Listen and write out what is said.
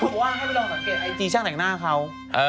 บอกว่าให้ไปลองสังเกตไอจีช่างแต่งหน้าเขา